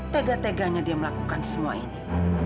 tega teganya dia melakukan semua ini